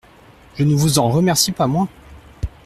Je ne vous en remercie pas moins…